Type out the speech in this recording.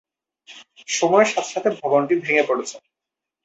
সময়ের সাথে সাথে ভবনটি ভেঙে পড়েছে।